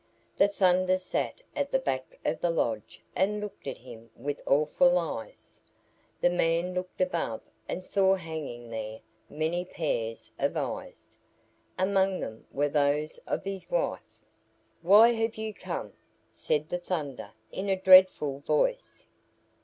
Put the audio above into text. The Thunder sat at the back of the lodge and looked at him with awful eyes. The man looked above and saw hanging there many pairs of eyes. Among them were those of his wife. "Why have you come?" said the Thunder in a dreadful voice.